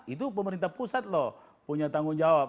itu pemerintah pusat loh punya tanggung jawab